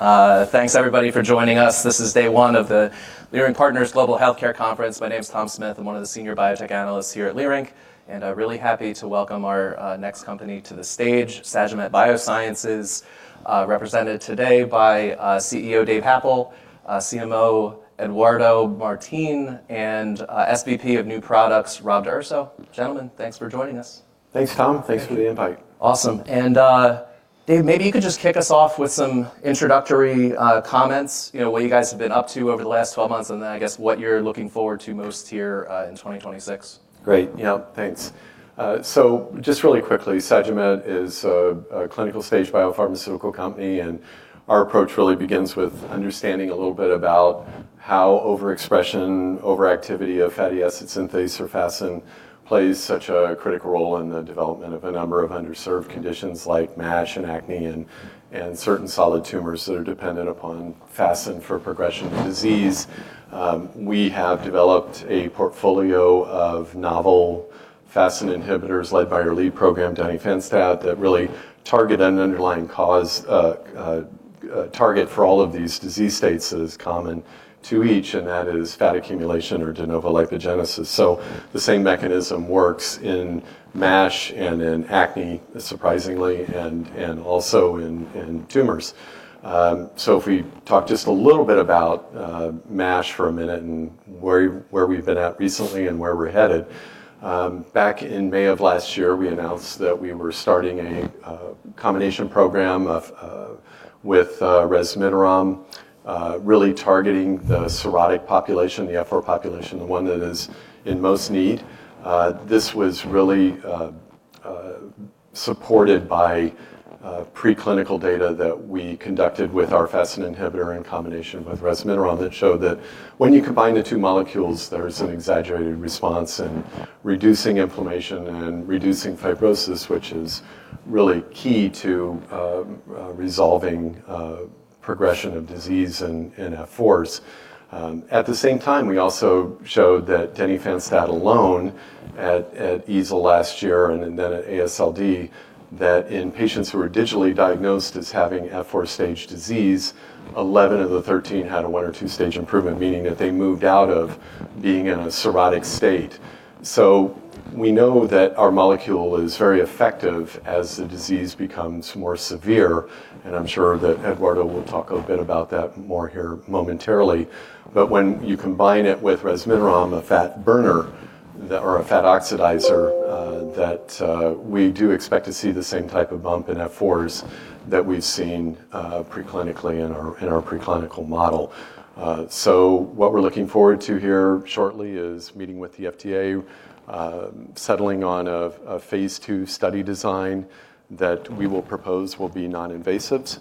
Noon. Thanks everybody for joining us. This is day one of the Leerink Partners Global Healthcare Conference. My name's Tom Smith. I'm one of the senior biotech analysts here at Leerink, and really happy to welcome our next company to the stage, Sagimet Biosciences, represented today by CEO Dave Happel, CMO Eduardo Martins, and SVP of New Products, Rob D'Urso. Gentlemen, thanks for joining us. Thanks, Tom. Thanks for the invite. Awesome. Dave, maybe you could just kick us off with some introductory comments, you know, what you guys have been up to over the last 12 months, and then I guess what you're looking forward to most here, in 2026. Great. Yeah. Thanks. Just really quickly, Sagimet is a clinical stage biopharmaceutical company, and our approach really begins with understanding a little bit about how overexpression, overactivity of fatty acid synthase or FASN plays such a critical role in the development of a number of underserved conditions like MASH and acne and certain solid tumors that are dependent upon FASN for progression of disease. We have developed a portfolio of novel FASN inhibitors led by our lead program, Denifanstat, that really target an underlying cause, target for all of these disease states that is common to each, and that is fat accumulation or de novo lipogenesis. The same mechanism works in MASH and in acne, surprisingly, and also in tumors. If we talk just a little bit about MASH for a minute and where we've been at recently and where we're headed. Back in May of last year, we announced that we were starting a combination program with Resmetirom, really targeting the cirrhotic population, the F4 population, the one that is in most need. This was really supported by preclinical data that we conducted with our FASN inhibitor in combination with Resmetirom that showed that when you combine the two molecules, there's an exaggerated response in reducing inflammation and reducing fibrosis, which is really key to resolving progression of disease in F4s. At the same time, we also showed that Denifanstat alone at EASL last year and then at AASLD, that in patients who were digitally diagnosed as having F4 stage disease, 11 of the 13 had a 1 or 2-stage improvement, meaning that they moved out of being in a cirrhotic state. We know that our molecule is very effective as the disease becomes more severe, and I'm sure that Eduardo Martins will talk a bit about that more here momentarily. When you combine it with Resmetirom, a fat burner or a fat oxidizer, that we do expect to see the same type of bump in F4s that we've seen preclinically in our preclinical model. What we're looking forward to here shortly is meeting with the FDA, settling on a Phase II study design that we will propose will be non-invasive.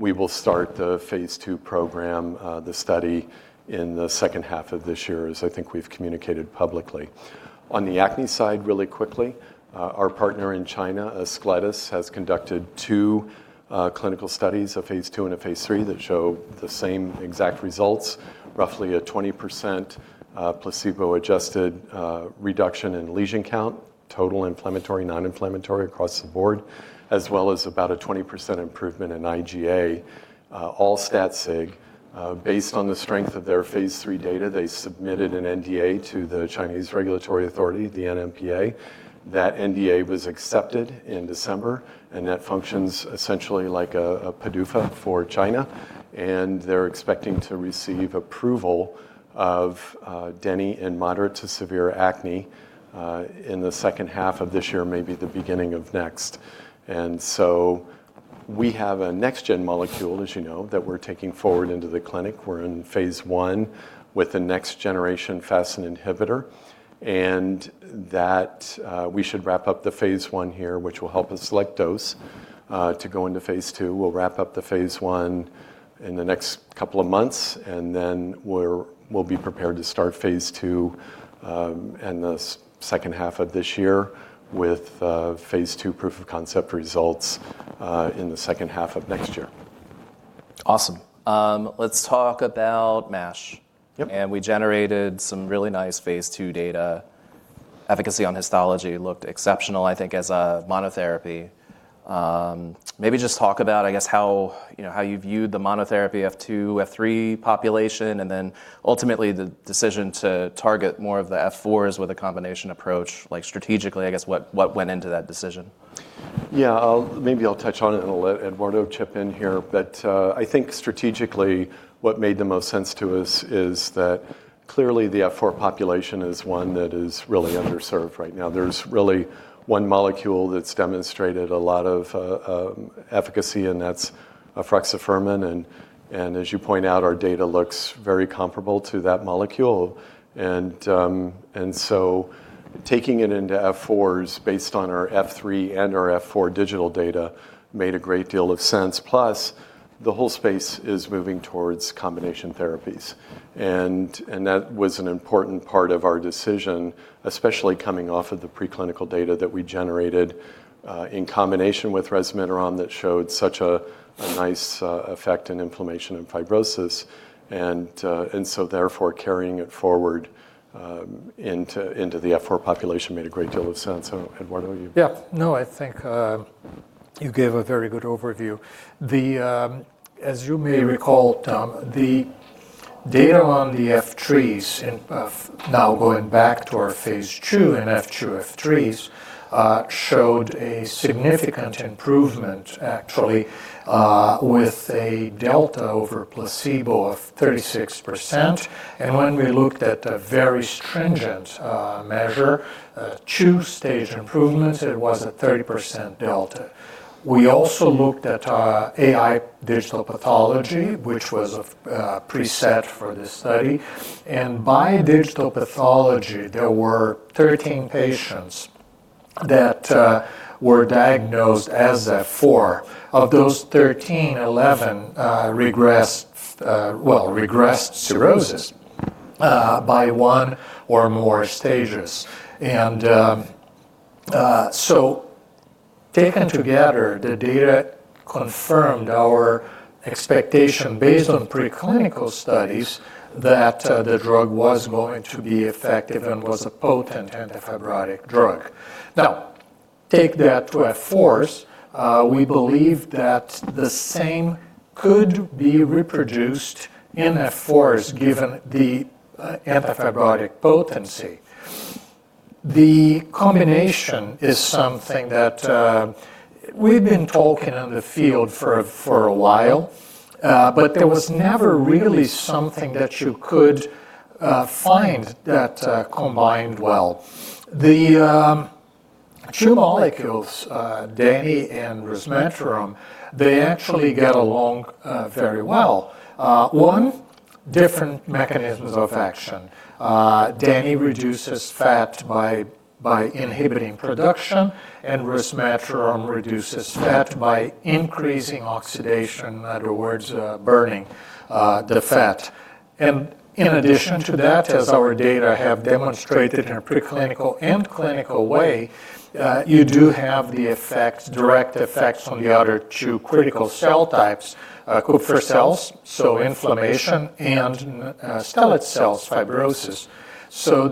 We will start the Phase II program, the study in the second half of this year, as I think we've communicated publicly. On the acne side, really quickly, our partner in China, Ascletis, has conducted two clinical studies, a Phase II and a Phase III, that show the same exact results, roughly a 20% placebo-adjusted reduction in lesion count, total inflammatory, non-inflammatory across the board, as well as about a 20% improvement in IGA, all stat sig. Based on the strength of their Phase III data, they submitted an NDA to the Chinese regulatory authority, the NMPA. That NDA was accepted in December, and that functions essentially like a PDUFA for China. They're expecting to receive approval of Deni in moderate to severe acne in the second half of this year, maybe the beginning of next. We have a next gen molecule, as you know, that we're taking forward into the clinic. We're in Phase I with the next generation FASN inhibitor. That we should wrap up the Phase I here, which will help us select dose to go into Phase II. We'll wrap up the Phase I in the next couple of months, and then we'll be prepared to start Phase II in the second half of this year with Phase II proof of concept results in the second half of next year. Awesome. Let's talk about MASH. Yep. We generated some really nice Phase II data. Efficacy on histology looked exceptional, I think, as a monotherapy. maybe just talk about, I guess, how, you know, how you viewed the monotherapy F2, F3 population, and then ultimately the decision to target more of the F4s with a combination approach, like strategically, I guess, what went into that decision? Maybe I'll touch on it and I'll let Eduardo chip in here. I think strategically what made the most sense to us is that clearly the F4 population is one that is really underserved right now. There's really one molecule that's demonstrated a lot of efficacy, and that's efruxifermin. As you point out, our data looks very comparable to that molecule. Taking it into F4s based on our F3 and our F4 digital data made a great deal of sense. Plus, the whole space is moving towards combination therapies, and that was an important part of our decision, especially coming off of the preclinical data that we generated in combination with Resmetirom that showed such a nice effect in inflammation and fibrosis. Therefore, carrying it forward, into the F4 population made a great deal of sense. Eduardo Yeah. No, I think, you gave a very good overview. The, as you may recall, Tom, the Data on the F3s and of now going back to our Phase II in F2, F3s, showed a significant improvement actually, with a delta over placebo of 36%. When we looked at the very stringent measure, two stage improvements, it was a 30% delta. We also looked at AI digital pathology, which was preset for this study. By digital pathology, there were 13 patients that were diagnosed as F4. Of those 13, 11, well regressed cirrhosis, by one or more stages. Taken together, the data confirmed our expectation based on preclinical studies that the drug was going to be effective and was a potent antifibrotic drug. Take that to F4s, we believe that the same could be reproduced in F4s given the antifibrotic potency. The combination is something that we've been talking in the field for a while, but there was never really something that you could find that combined well. The two molecules, Denifanstat and Resmetirom, they actually get along very well. One, different mechanisms of action. Denifanstat reduces fat by inhibiting production, and Resmetirom reduces fat by increasing oxidation. In other words, burning the fat. In addition to that, as our data have demonstrated in a preclinical and clinical way, you do have the effects, direct effects on the other two critical cell types, Kupffer cells, so inflammation and stellate cells fibrosis.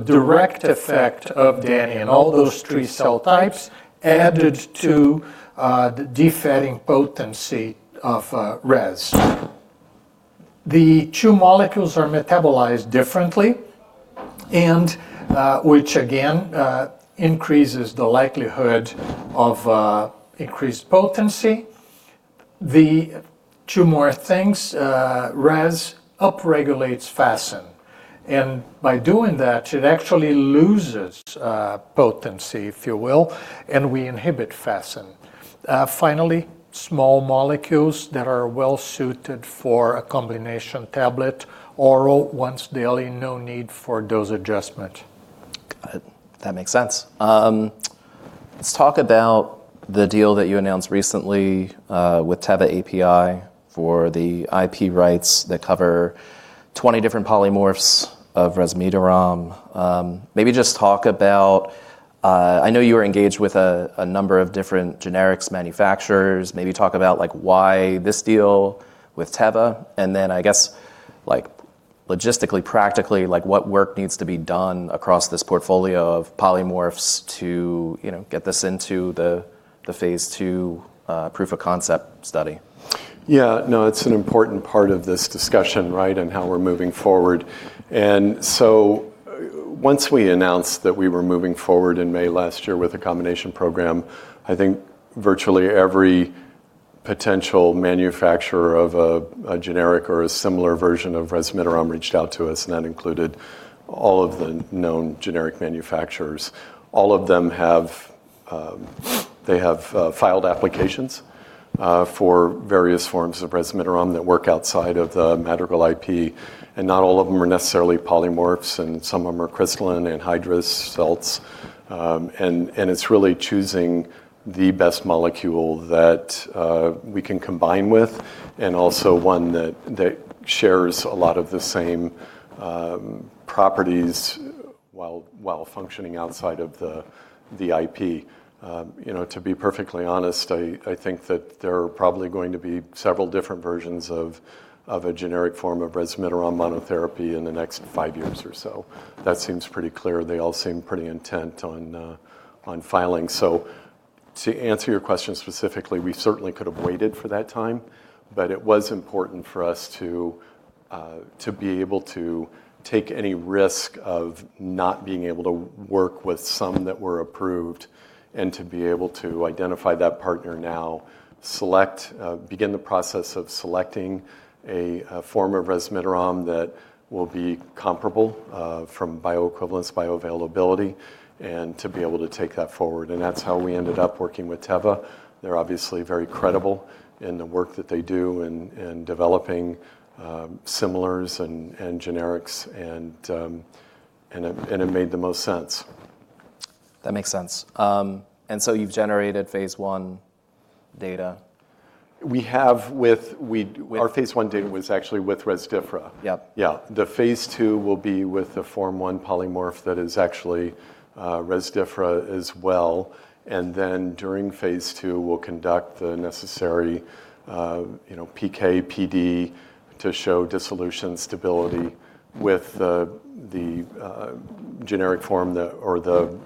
Direct effect of Denifanstat in all those three cell types added to the defatting potency of res. The two molecules are metabolized differently and, which again, increases the likelihood of increased potency. The two more things, res upregulates fascin, and by doing that, it actually loses potency, if you will, and we inhibit fascin. Finally, small molecules that are well suited for a combination tablet, oral once daily. No need for dose adjustment. Got it. That makes sense. Let's talk about the deal that you announced recently with Teva API for the IP rights that cover 20 different polymorphs of Resmetirom. Maybe just talk about, I know you were engaged with a number of different generics manufacturers. Maybe talk about like why this deal with Teva and then I guess like logistically, practically, like what work needs to be done across this portfolio of polymorphs to, you know, get this into the Phase II proof of concept study. Yeah. No, it's an important part of this discussion, right, on how we're moving forward. Once we announced that we were moving forward in May last year with a combination program, I think virtually every potential manufacturer of a generic or a similar version of Resmetirom reached out to us, and that included all of the known generic manufacturers. All of them have, they have filed applications for various forms of Resmetirom that work outside of the Madrigal IP, and not all of them are necessarily polymorphs, and some of them are crystalline anhydrous salts. And it's really choosing the best molecule that we can combine with and also one that shares a lot of the same properties while functioning outside of the IP. You know, to be perfectly honest, I think that there are probably going to be several different versions of a generic form of Resmetirom monotherapy in the next 5 years or so. That seems pretty clear. They all seem pretty intent on filing. To answer your question specifically, we certainly could have waited for that time, but it was important for us to be able to take any risk of not being able to work with some that were approved and to be able to identify that partner now, select, begin the process of selecting a form of Resmetirom that will be comparable from bioequivalence, bioavailability, and to be able to take that forward, and that's how we ended up working with Teva. They're obviously very credible in the work that they do in developing, similars and generics and it made the most sense. That makes sense. You've generated phase I data. Our phase I data was actually with Rezdiffra. Yep. Yeah. The Phase II will be with the form one polymorph that is actually, Rezdiffra as well, and then during Phase II, we'll conduct the necessary, you know, PK/PD to show dissolution stability. With the generic form the, or the,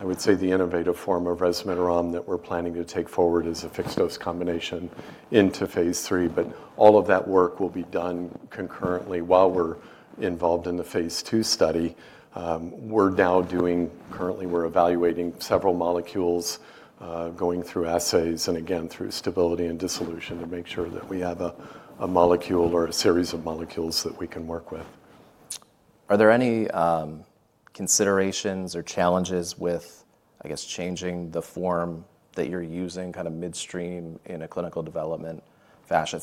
I would say the innovative form of Resmetirom that we're planning to take forward as a fixed-dose combination into Phase III, but all of that work will be done concurrently while we're involved in the Phase II study. Currently we're evaluating several molecules, going through assays and again through stability and dissolution to make sure that we have a molecule or a series of molecules that we can work with. Are there any considerations or challenges with, I guess, changing the form that you're using kind of midstream in a clinical development fashion?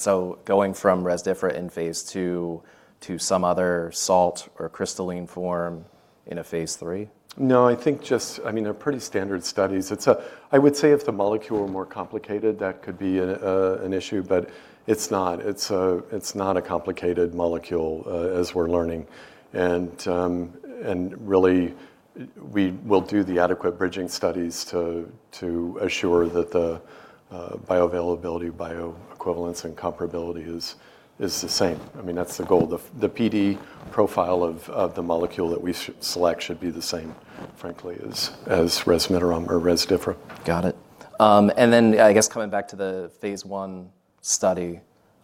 Going from Rezdiffra in Phase II to some other salt or crystalline form in a Phase III. No, I think just I mean, they're pretty standard studies. I would say if the molecule were more complicated, that could be an issue, but it's not. It's not a complicated molecule, as we're learning. Really, we will do the adequate bridging studies to assure that the bioavailability, bioequivalence, and comparability is the same. I mean, that's the goal. The PD profile of the molecule that we select should be the same, frankly, as Resmetirom or Rezdiffra. Got it. I guess coming back to the Phase I study,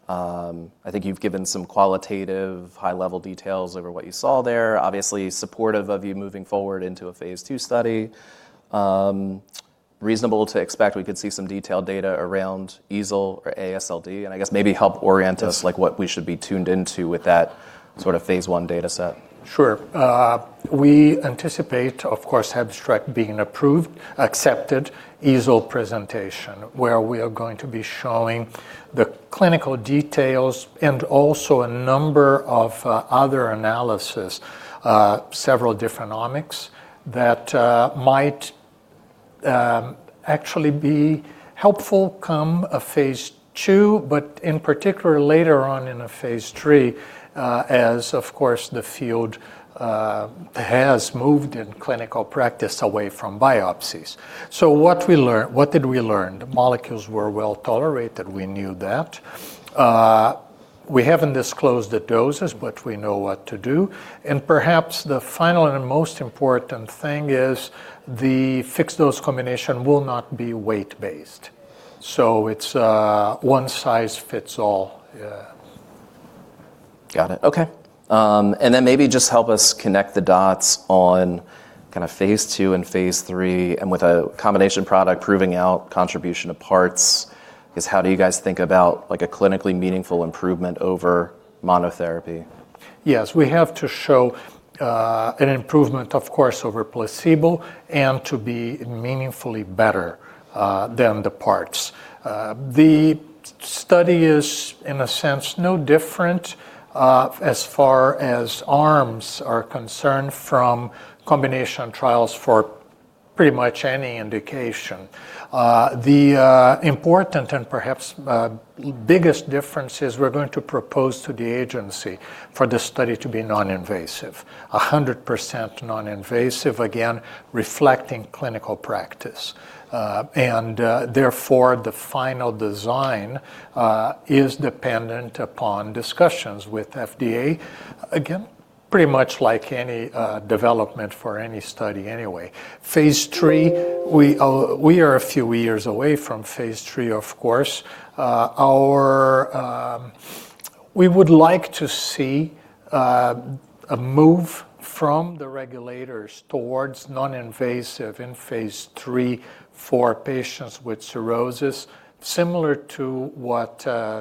I think you've given some qualitative high-level details over what you saw there, obviously supportive of you moving forward into a Phase II study. Reasonable to expect we could see some detailed data around EASL or AASLD, and I guess maybe help orient us, like what we should be tuned into with that sort of Phase I dataset. Sure. We anticipate, of course, hep strike being approved, accepted EASL presentation, where we are going to be showing the clinical details and also a number of other analysis, several different omics that might actually be helpful come a Phase II, but in particular later on in a Phase III, as of course the field has moved in clinical practice away from biopsies. What we learn, what did we learn? The molecules were well tolerated. We knew that. We haven't disclosed the doses, but we know what to do. Perhaps the final and most important thing is the fixed-dose combination will not be weight based. It's one size fits all. Yeah. Got it. Okay. Maybe just help us connect the dots on kind of Phase II and Phase III and with a combination product proving out contribution of parts is how do you guys think about like a clinically meaningful improvement over monotherapy? Yes, we have to show an improvement, of course, over placebo and to be meaningfully better than the parts. The study is, in a sense, no different as far as arms are concerned from combination trials for pretty much any indication. The important and perhaps biggest difference is we're going to propose to the agency for this study to be non-invasive, 100% non-invasive, again, reflecting clinical practice. Therefore, the final design is dependent upon discussions with FDA. Again, pretty much like any development for any study anyway. Phase III, we are a few years away from Phase III, of course. Our, we would like to see a move from the regulators towards non-invasive in Phase III for patients with cirrhosis, similar to what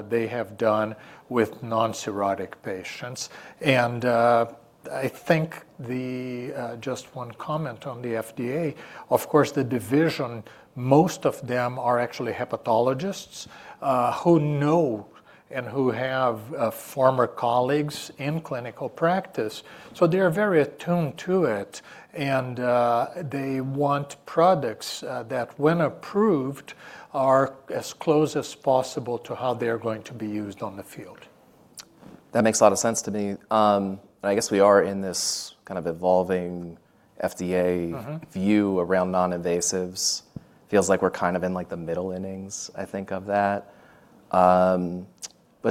they have done with non-cirrhotic patients. I think the just one comment on the FDA, of course, the division, most of them are actually hepatologists, who know and who have former colleagues in clinical practice. They're very attuned to it and they want products that when approved are as close as possible to how they're going to be used on the field. That makes a lot of sense to me. I guess we are in this kind of evolving FDA-. Mm-hmm... view around non-invasives. Feels like we're kind of in like the middle innings, I think, of that.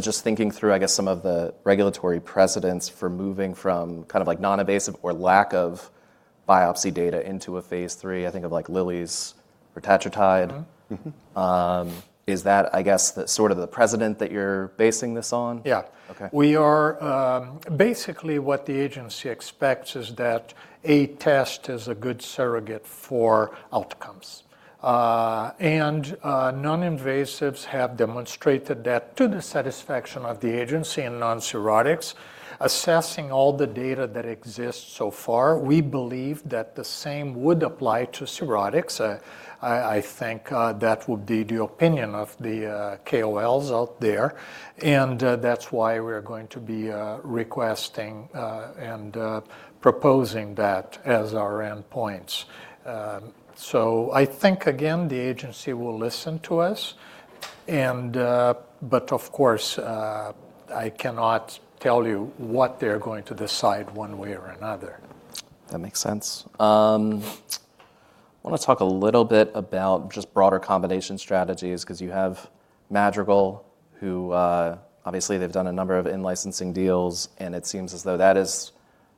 Just thinking through, I guess, some of the regulatory precedents for moving from kind of like non-invasive or lack of biopsy data into a Phase III, I think of like Lilly's retatrutide. Mm-hmm. Mm-hmm. Is that, I guess, the sort of the precedent that you're basing this on? Yeah. Okay. Basically what the agency expects is that a test is a good surrogate for outcomes. Non-invasives have demonstrated that to the satisfaction of the agency in non-cirrhotics. Assessing all the data that exists so far, we believe that the same would apply to cirrhotics. I think that would be the opinion of the KOLs out there, that's why we're going to be requesting and proposing that as our endpoints. I think, again, the agency will listen to us and of course, I cannot tell you what they're going to decide one way or another. That makes sense. I want to talk a little bit about just broader combination strategies, because you have Madrigal, who, obviously they've done a number of in-licensing deals, and it seems as though that is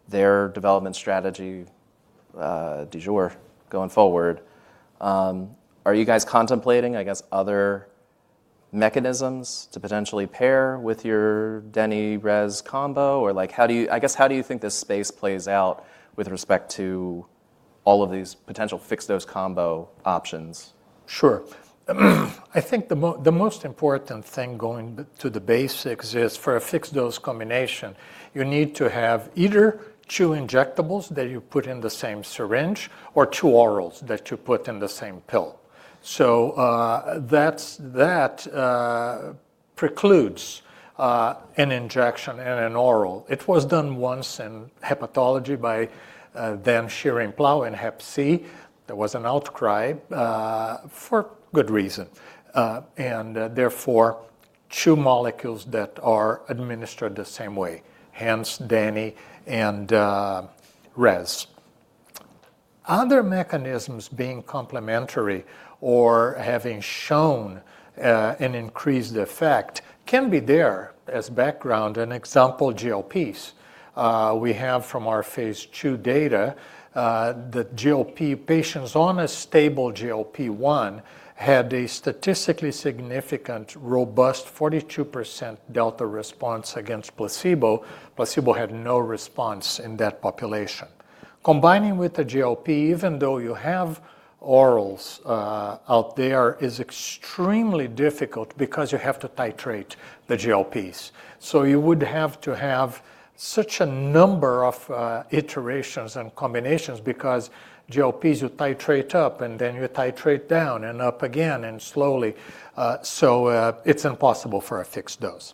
their development strategy, du jour going forward. Are you guys contemplating, I guess, other mechanisms to potentially pair with your DNL-RES combo? Like how do you, I guess, how do you think this space plays out with respect to all of these potential fixed-dose combo options? Sure. I think the most important thing going to the basics is for a fixed-dose combination, you need to have either two injectables that you put in the same syringe or two orals that you put in the same pill. That's that precludes an injection and an oral. It was done once in hepatology by then Schering-Plough in hep C. There was an outcry for good reason. Therefore, two molecules that are administered the same way, hence DNL and RES. Other mechanisms being complementary or having shown an increased effect can be there as background and example GLPs. We have from our Phase II data that GLP patients on a stable GLP-1 had a statistically significant, robust 42% delta response against placebo. Placebo had no response in that population. Combining with the GLP, even though you have orals, out there, is extremely difficult because you have to titrate the GLPs. You would have to have such a number of iterations and combinations because GLPs, you titrate up, and then you titrate down and up again and slowly. It's impossible for a fixed dose.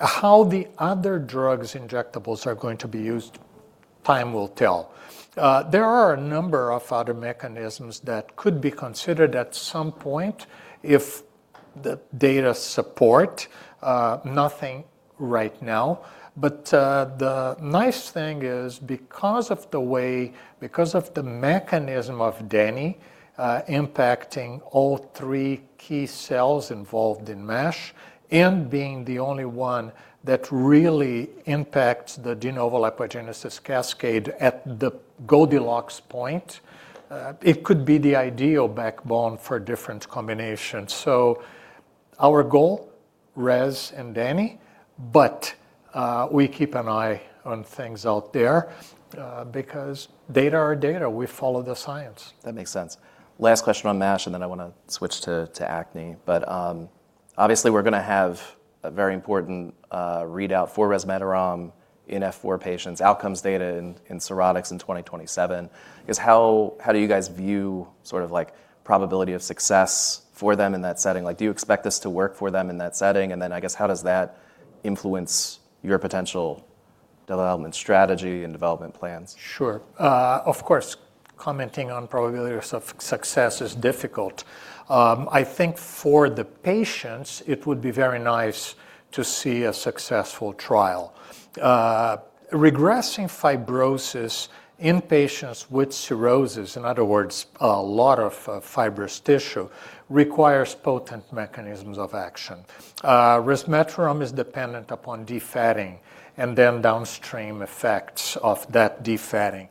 How the other drugs injectables are going to be used, time will tell. There are a number of other mechanisms that could be considered at some point if the data support, nothing right now. The nice thing is because of the mechanism of DNL, impacting all three key cells involved in MASH and being the only one that really impacts the de novo lipogenesis cascade at the Goldilocks point, it could be the ideal backbone for different combinations. Our goal, RES and DNL, we keep an eye on things out there, because data are data. We follow the science. That makes sense. Last question on MASH, then I wanna switch to acne. Obviously we're gonna have a very important readout for Resmetirom in F4 patients, outcomes data in cirrhotics in 2027. Just how do you guys view sort of like probability of success for them in that setting? Like, do you expect this to work for them in that setting? Then I guess, how does that influence your potential development strategy and development plans? Sure. Of course, commenting on probability of success is difficult. I think for the patients, it would be very nice to see a successful trial. Regressing fibrosis in patients with cirrhosis, in other words, a lot of fibrous tissue, requires potent mechanisms of action. Resmetirom is dependent upon defatting and then downstream effects of that defatting.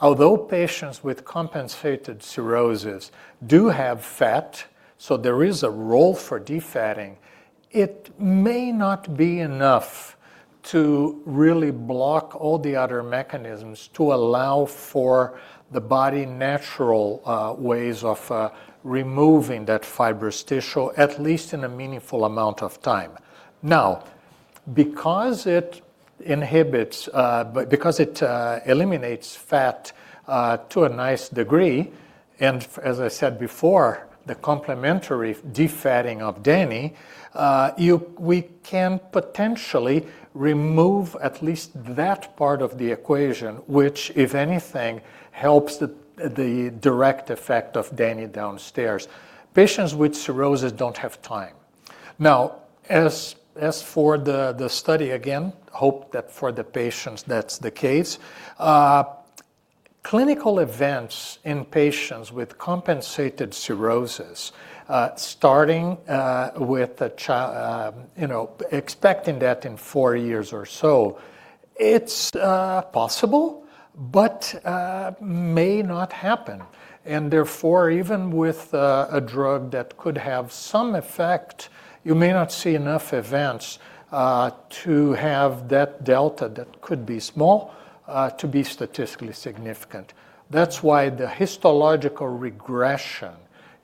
Although patients with compensated cirrhosis do have fat, so there is a role for defatting, it may not be enough to really block all the other mechanisms to allow for the body natural ways of removing that fibrous tissue, at least in a meaningful amount of time. Because it inhibits, because it eliminates fat, to a nice degree, as I said before, the complementary defatting of DNL, we can potentially remove at least that part of the equation, which, if anything, helps the direct effect of DNL downstairs. Patients with cirrhosis don't have time. As for the study, again, hope that for the patients that's the case. Clinical events in patients with compensated cirrhosis, starting with a you know, expecting that in four years or so, it's possible, but may not happen. Therefore, even with a drug that could have some effect, you may not see enough events to have that delta that could be small to be statistically significant. That's why the histological regression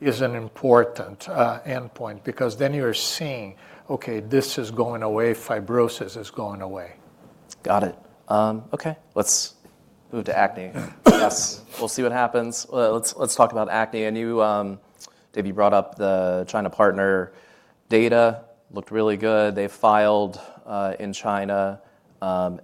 is an important endpoint, because then you're seeing, okay, this is going away, fibrosis is going away. Got it. Okay. Let's move to acne. Yes. We'll see what happens. Let's talk about acne. I know Debbie brought up the China partner data looked really good. They filed in China.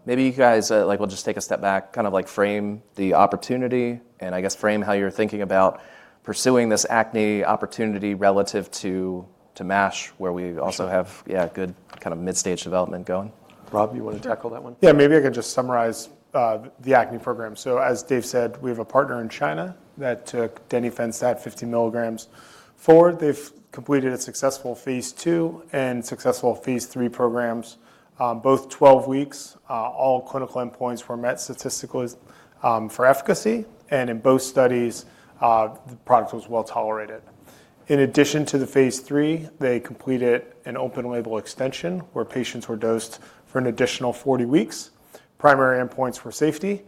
Maybe you guys like will just take a step back, kind of like frame the opportunity and I guess frame how you're thinking about pursuing this acne opportunity relative to MASH, where we also have... Sure. Yeah, good kind of mid-stage development going. Rob, you wanna tackle that one? Yeah, maybe I can just summarize the acne program. As Dave said, we have a partner in China that took Denifanstat 50 mg forward. They've completed a successful Phase II and successful Phase III programs, both 12 weeks. All clinical endpoints were met statistically for efficacy, and in both studies, the product was well-tolerated. In addition to the Phase III, they completed an open label extension where patients were dosed for an additional 40 weeks. Primary endpoints were safety.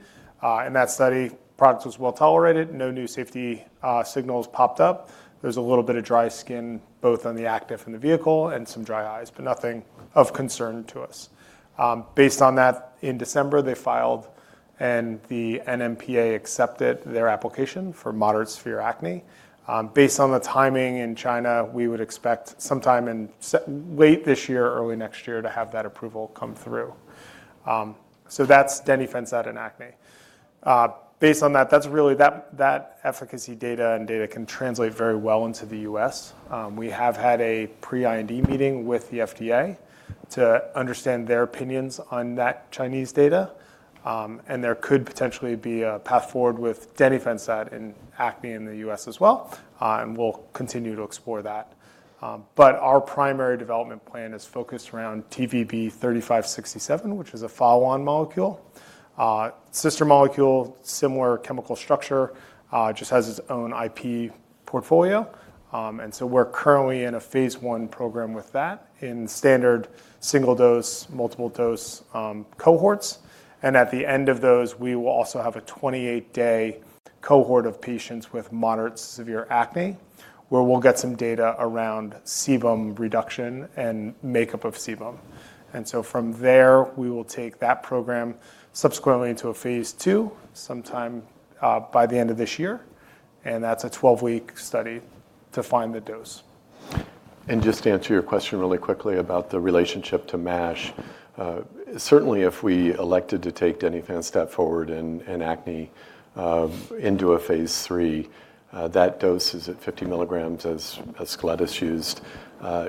In that study, product was well tolerated. No new safety signals popped up. There was a little bit of dry skin, both on the active and the vehicle, and some dry eyes, but nothing of concern to us. Based on that, in December, they filed and the NMPA accepted their application for moderate severe acne. Based on the timing in China, we would expect sometime in late this year or early next year to have that approval come through. That's Denifanstat in acne. Based on that efficacy data and data can translate very well into the U.S.. We have had a pre-IND meeting with the FDA to understand their opinions on that Chinese data. There could potentially be a path forward with Denifanstat in acne in the U.S. as well. We'll continue to explore that. Our primary development plan is focused around TVB-3567, which is a follow-on molecule. Sister molecule, similar chemical structure, just has its own IP portfolio. We're currently in a phase I program with that in standard single-dose, multiple dose cohorts. At the end of those, we will also have a 28-day cohort of patients with moderate to severe acne, where we'll get some data around sebum reduction and makeup of sebum. From there, we will take that program subsequently into a Phase II sometime by the end of this year. That's a 12-week study to find the dose. Just to answer your question really quickly about the relationship to MASH. Certainly, if we elected to take Denifanstat forward in acne, into a Phase III, that dose is at 50 mg as Ascletis used.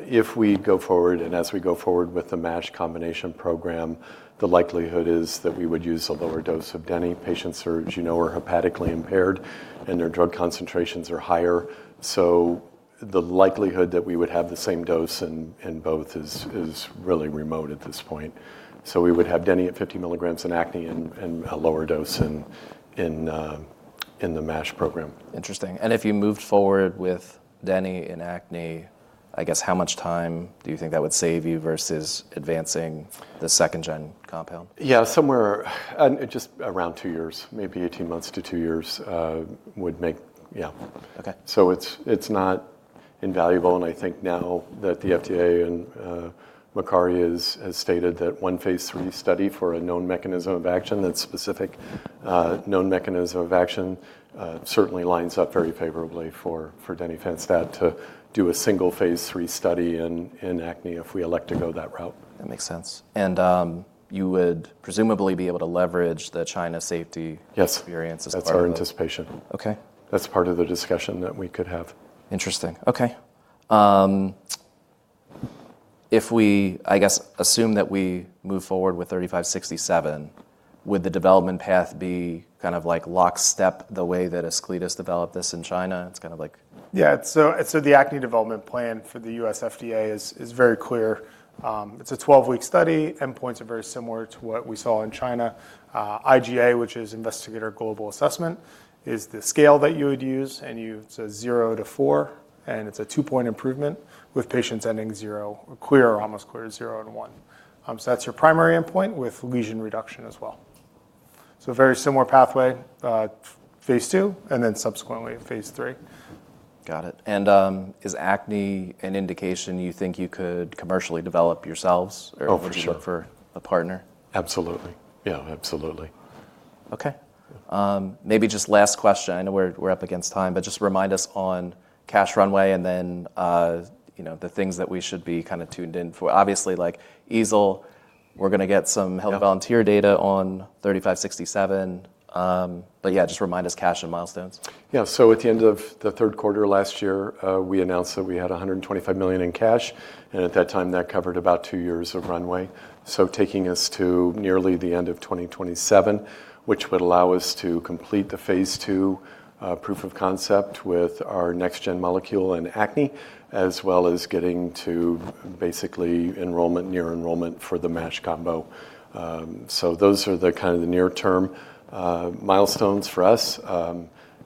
If we go forward and as we go forward with the MASH combination program, the likelihood is that we would use a lower dose of Deni. Patients who, as you know, are hepatically impaired and their drug concentrations are higher, so the likelihood that we would have the same dose in both is really remote at this point. We would have Deni at 50 mg in acne and a lower dose in the MASH program. Interesting. If you moved forward with Deni in acne, I guess how much time do you think that would save you versus advancing the second gen compound? Yeah, somewhere, just around 2 years, maybe 18 months to 2 years, would make. Yeah. Okay. It's not invaluable, and I think now that the FDA and Makary has stated that 1 Phase III study for a known mechanism of action, that specific known mechanism of action, certainly lines up very favorably for Denifanstat to do a single Phase III study in acne if we elect to go that route. That makes sense. You would presumably be able to leverage the China safety- Yes experience as part of. That's our anticipation. Okay. That's part of the discussion that we could have. Interesting. Okay. If we, I guess, assume that we move forward with TVB-3567, would the development path be kind of like lockstep the way that Ascletis developed this in China? It's kinda like. The acne development plan for the U.S. FDA is very clear. It's a 12-week study. Endpoints are very similar to what we saw in China. IGA, which is Investigator Global Assessment, is the scale that you would use, and so 0 to 4, and it's a two-point improvement with patients ending 0 or clear or almost clear to 0 and 1. That's your primary endpoint with lesion reduction as well. Very similar pathway, Phase II, and then subsequently Phase III. Got it. Is acne an indication you think you could commercially develop yourselves? Oh, for sure. Would you look for a partner? Absolutely. Yeah, absolutely. Okay. Maybe just last question. I know we're up against time, just remind us on cash runway and then, you know, the things that we should be kind of tuned in for. Obviously, like EASL, we're going to get some health- Yeah... volunteer data on TVB-3567. Yeah, just remind us cash and milestones. Yeah. At the end of the third quarter last year, we announced that we had $125 million in cash, and at that time, that covered about two years of runway. Taking us to nearly the end of 2027, which would allow us to complete the Phase II proof of concept with our next-gen molecule in acne, as well as getting to basically enrollment, near enrollment for the MASH combo. Those are the kinda the near term milestones for us.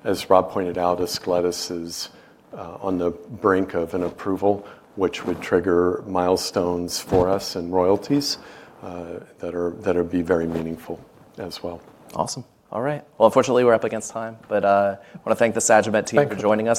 As Rob pointed out, Ascletis is on the brink of an approval, which would trigger milestones for us and royalties, that are, that'll be very meaningful as well. Awesome. All right. Well, unfortunately, we're up against time, wanna thank the Sagimet team. Thank you.... for joining us.